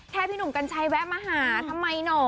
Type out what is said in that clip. พี่หนุ่มกัญชัยแวะมาหาทำไมหน่อ